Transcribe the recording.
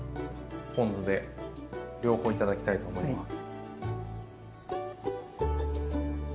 ポン酢で両方頂きたいと思います。